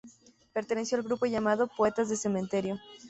Perteneció al grupo llamado "poetas de cementerio".